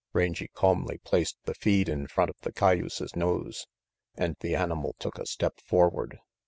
Rangy calmly placed the feed in front of the cayuse's nose, and the animal took a step forward.